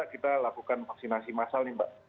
kita lakukan vaksinasi massal nih mbak